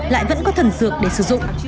lại vẫn có thần dược để sử dụng